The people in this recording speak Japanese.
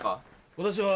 私は。